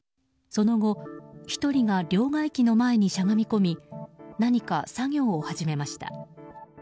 その後、１人が両替機の前にしゃがみ込み何か作業を始めました。